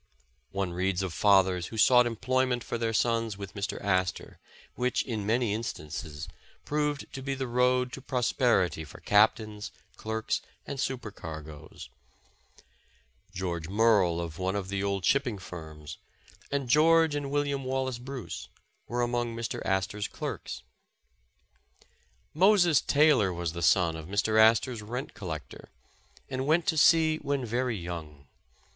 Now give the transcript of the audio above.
One reads of fathers who sought employment for their sons with Mr. Astor, which, in many instances, proved to be the road to prosperity for captains, clerks, and supercargoes. George Merle, of one of the old shipping firms, and 279 The Original John Jacob Astor George and William Wallace Bruce, were among Mr. Astor 's clerks. Moses Taylor was the son of Mr. Astor 's rent collect or, and went to sea when very young.